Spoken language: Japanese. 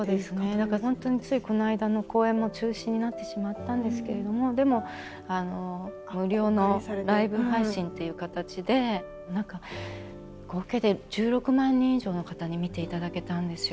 だから本当についこの間の公演も中止になってしまったんですけれどもでも無料のライブ配信っていう形で何か合計で１６万人以上の方に見ていただけたんですよ。